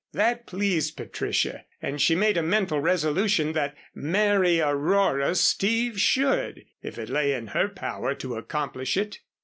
That pleased Patricia and she made a mental resolution that marry Aurora, Steve should, if it lay in her power to accomplish it.